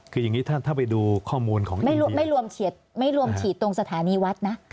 คืออย่างนี้ถ้าไปดูข้อมูลของไม่รวมฉีดไม่รวมฉีดตรงสถานีวัดนะ